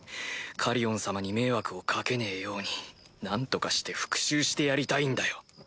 カリオン様に迷惑を掛けねえように何とかして復讐してやりたいんだよ。